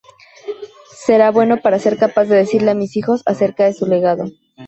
Será bueno para ser capaz de decirle a mis hijos acerca de su legado".